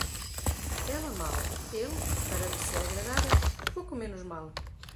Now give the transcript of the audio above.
Ela mal; ele, para lhe ser agradável, pouco menos mal.